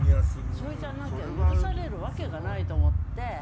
それじゃなきゃ許されるわけがないと思って。